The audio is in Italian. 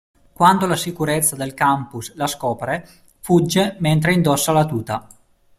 Quando la sicurezza del campus la scopre, fugge mentre indossa la tuta.